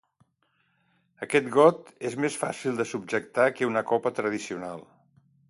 Aquest got és més fàcil de subjectar que una copa tradicional.